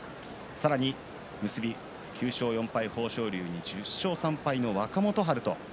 さらに結び９勝４敗豊昇龍に１０勝３敗の若元春。